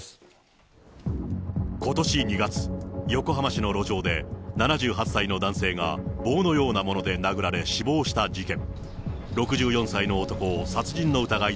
ことし２月、横浜市の路上で７８歳の男性が、棒のようなもので殴られ、死亡した事件。